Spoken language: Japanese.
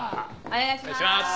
お願いします。